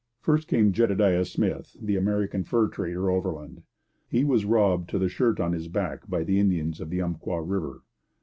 First came Jedediah Smith, the American fur trader, overland. He was robbed to the shirt on his back by Indians at the Umpqua river.